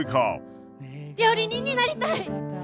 料理人になりたい。